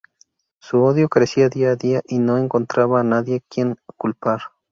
Su odio crecía día a día y no encontraba a nadie quien culpar.